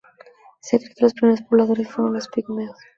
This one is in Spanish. Se cree que los primeros pobladores fueron los pigmeos.